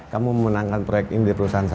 kamu memenangkan proyek ini di perusahaan saya